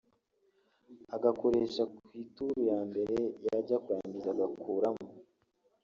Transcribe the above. agakoresha ku ituru ya mbere yajya kurangiza akagakuramo